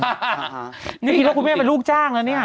นี่คิดว่าคุณแม่เป็นลูกจ้างแล้วนี่